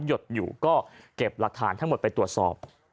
หดอยู่ก็เก็บหลักฐานทั้งหมดไปตรวจสอบ